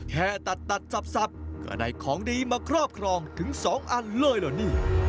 แห่ตัดตัดสับก็ได้ของดีมาครอบครองถึง๒อันเลยเหรอนี่